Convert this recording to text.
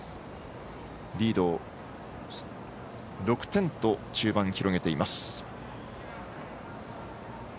リードを６点と中盤広げています。